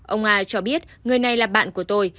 ông a cho biết người này là bạn của tôi